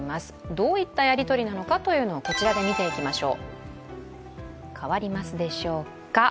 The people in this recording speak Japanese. どういったやりとりなのかというのを、こちらで見ていきましょう。